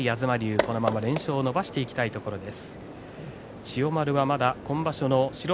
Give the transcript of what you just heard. このまま連勝を伸ばしていきたいところです。